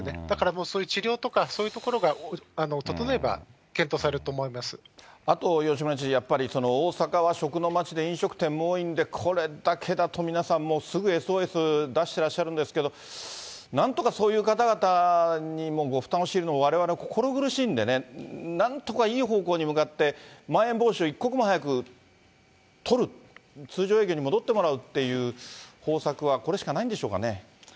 だからもうそういう治療とかそういうところが整えば、検討されるあと、吉村知事、やっぱり大阪は食の街で、飲食店も多いんで、これだけだと皆さんもう、すぐＳＯＳ出してらっしゃるんですけれども、なんとかそういう方々にもご負担を強いるの、われわれ心苦しいのでね、なんとかいい方向に向かって、まん延防止を一刻も早く取る、通常営業に戻ってもらうという方策はこれしかないんでしょうかね。